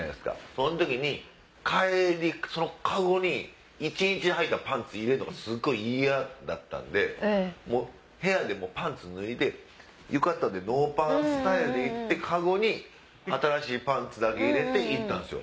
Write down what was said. そん時に帰りその籠に一日はいたパンツ入れるのがすっごい嫌だったんで部屋でパンツ脱いで浴衣でノーパンスタイルで籠に新しいパンツだけ入れて行ったんすよ。